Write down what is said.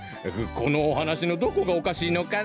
このおはなしのどこがおかしいのかな？